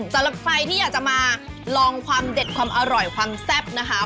สำหรับใครที่อยากจะมาลองความเด็ดความอร่อยความแซ่บนะคะ